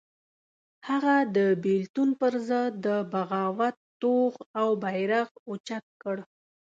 هغه د بېلتون پر ضد د بغاوت توغ او بېرغ اوچت کړ.